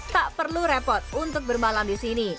tak perlu repot untuk bermalam di sini